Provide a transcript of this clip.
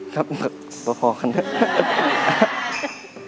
ครับเหมือนพ่อกันนะ